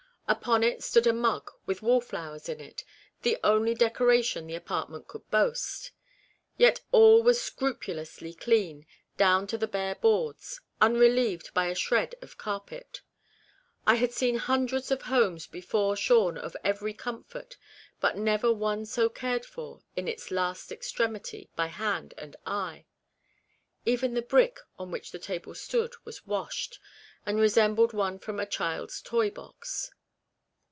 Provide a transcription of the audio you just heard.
Upon it stood a mug with wallflowers in it, the only decoration the apartment could boast. Yet all was scru pulously clean down to the bare boards, unre lieved by a shred of carpet. I had seen hundreds of homes before shorn of every com fort, but never one so cared for in its last extremity by hand and eye. Even the brick on which the table stood was washed, and resembled one from a child's toy box.